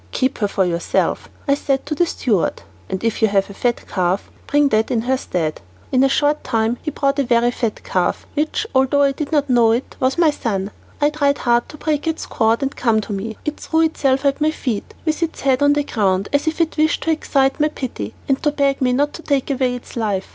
"Keep her for yourself," I said to the steward, "and if you have a fat calf, bring that in her stead." In a short time he brought a very fat calf, which, although I did not know it, was my son. It tried hard to break its cord and come to me. It threw itself at my feet, with its head on the ground, as if it wished to excite my pity, and to beg me not to take away its life.